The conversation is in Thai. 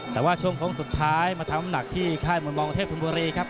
แต่ว่าช่วงโค้งสุดท้ายมาทำหนักที่ค่ายมวยรองเทพธุมบุรีครับ